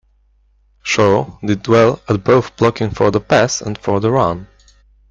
Shaw did well at both blocking for the pass and for the run.